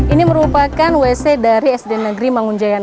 ini merupakan wc dari sd negeri mangunjaya empat